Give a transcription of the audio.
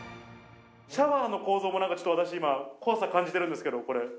シャワーの構造も、私、ちょっと怖さ感じてるんですけど、これ。